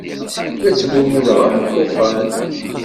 La ttmurudeɣ am ulufan.